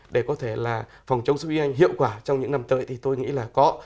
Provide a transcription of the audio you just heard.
để có thể là phòng chống sốt huyết hiệu quả trong những năm tới thì tôi nghĩ là có